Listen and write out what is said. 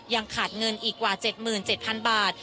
ยังขาดเงินอีกกว่า๗๗๐๐๐บาท